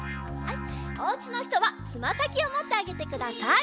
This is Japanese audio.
おうちのひとはつまさきをもってあげてください。